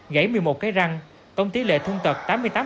gãy một mươi một cái răng tông tí lệ thương tật tám mươi tám